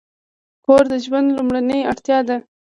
کور د ژوند لومړنۍ اړتیا ده.